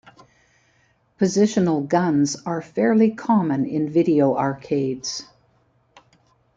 Positional guns are fairly common in video arcades.